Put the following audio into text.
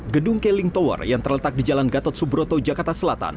gedung keling tower yang terletak di jalan gatot subroto jakarta selatan